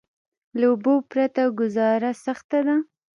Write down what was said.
له اوبو پرته ګذاره سخته ده.